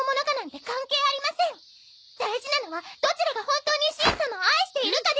大事なのはどちらが本当にしん様を愛しているかですわ！